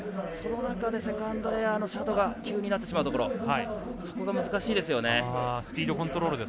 その中でセカンドエアの斜度が急になってしまうところそこが難しいですよね。